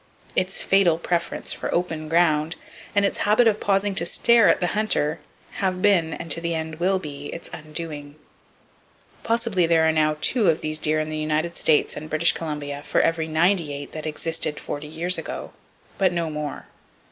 Its fatal preference for open ground and its habit of pausing to stare at the hunter have been, and to the end will be, its undoing. Possibly there are now two of these deer in the United States and British Columbia for every 98 that existed forty years ago, but no more.